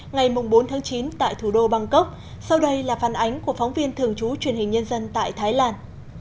ngày bốn chín tại thủ đô bangkok sau đây là phản ánh của phóng viên thường trú truyền hình nhân dân tại thái lan